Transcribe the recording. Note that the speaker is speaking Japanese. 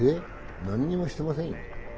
何にもしてませんよ？